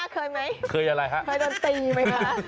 เคยไหมเคยปีไม้ค่ะ